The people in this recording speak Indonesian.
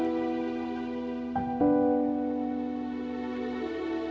kenapa aku nggak bisa dapetin kebahagiaan aku